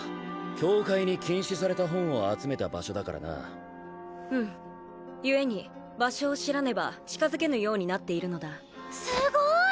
教会に禁止された本を集めた場所だからなうむゆえに場所を知らねば近づけぬようになっているのだすごーい！